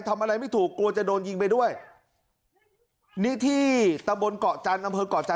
อะไรไม่ถูกกลัวจะโดนยิงไปด้วยนิธีตะบนเกาะจันทร์อเมืองเกาะจันทร์